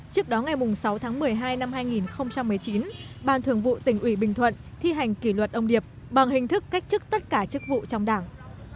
trước đó ngày sáu tháng một mươi hai năm hai nghìn một mươi chín ban thường vụ tỉnh ủy bình thuận thi hành kỷ luật ông điệp bằng hình thức cách chức tất cả chức vụ trong đảng